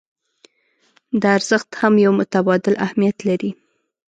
دا ارزښت هم يو متبادل اهميت لري.